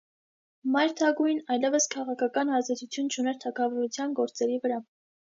Մայր թագուհին այլևս քաղաքական ազդեցություն չուներ թագավորության գործերի վրա։